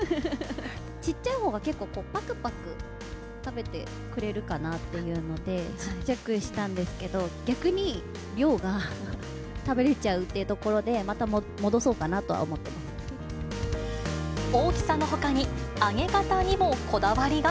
小っちゃいほうが、結構ぱくぱく食べてくれるかなっていうので、ちっちゃくしたんですけれども、逆に量が食べれちゃうっていうところで、大きさのほかに、揚げ方にもこだわりが。